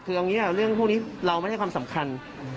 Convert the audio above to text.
คือเอางี้เรื่องพวกนี้เราไม่ได้ความสำคัญ